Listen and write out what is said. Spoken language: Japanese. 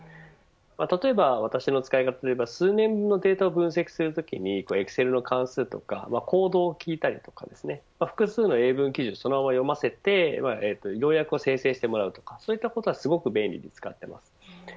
例えば、私の使い方は数年後のデータを分析するときにエクセルの関数やコードを聞いたり複数の英文記事をそのまま読ませて要約を生成してもらうということはすごく便利に使っています。